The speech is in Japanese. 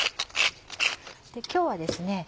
今日はですね